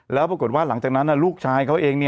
แล้วปรากฏว่าหลังจากนั้นลูกชายเขาเอง